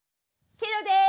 ケロです！